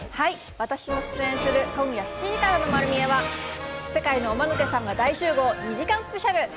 私も出演する今夜７時からの『まる見え！』は世界のおマヌケさんが大集合２時間スペシャル。